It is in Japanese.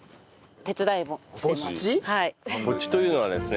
ぼっちというのはですね